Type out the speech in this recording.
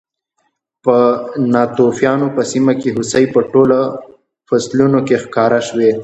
په ناتوفیانو په سیمه کې هوسۍ په ټولو فصلونو کې ښکار شوې